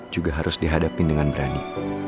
juga harus dihadapi dengan berani